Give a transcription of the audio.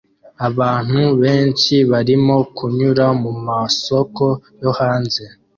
Abantu benshi barimo kunyura mumasoko yo hanze